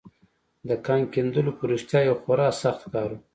د کان کیندل په رښتيا يو خورا سخت کار و.